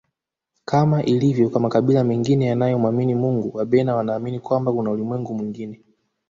Kama ilivyo kwa makabila mengine yanayo mwamini Mungu Wabena wanaamini kwamba kuna ulimwengu mwingine